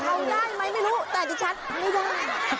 ได้ไหมไม่รู้แต่ที่ชัดไม่ได้